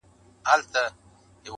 یو او دوه په سمه نه سي گرځېدلای-